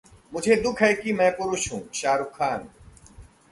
मुझे दुख है कि मैं पुरुष हूं: शाहरूख खान